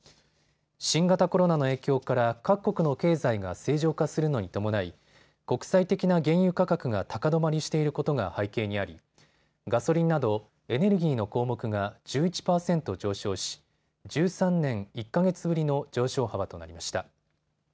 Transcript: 新型コロナの影響から各国の経済が正常化するのに伴い国際的な原油価格が高止まりしていることが背景にあり、ガソリンなどエネルギーの項目が１１％上昇し１３年１か月ぶりの上昇幅となりました。